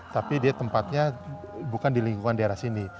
tapi dia tempatnya bukan di lingkungan daerah sini